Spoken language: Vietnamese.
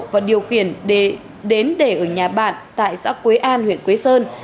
và điều kiện để đến để ở nhà bạn tại xã quế an huyện quế sơn